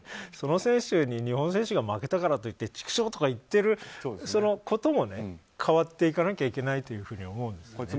その選手に日本選手が負けたからといって畜生！とか言ってることも変わっていかなきゃいけないと思うんですよね。